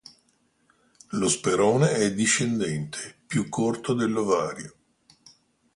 Lo sperone è discendente, più corto dell'ovario.